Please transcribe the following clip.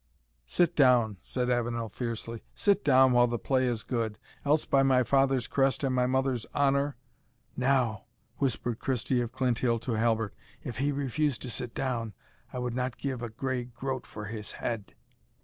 "Sit down," said Avenel, fiercely; "sit down while the play is good else by my father's crest and my mother's honour! " "Now," whispered Christie of the Clinthill to Halbert, "if he refuse to sit down, I would not give a gray groat for his head."